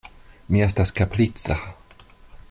Mi estas kaprica.